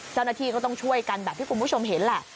เจ้าหน้าที่ก็ต้องช่วยกันแบบที่คุณผู้ชมเห็นแหละ